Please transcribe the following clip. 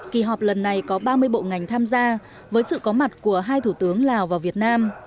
kỳ họp lần này có ba mươi bộ ngành tham gia với sự có mặt của hai thủ tướng lào và việt nam